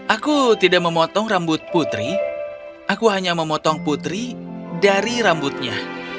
aku tidak memotong rambut putri aku hanya memotong putri dari rambutnya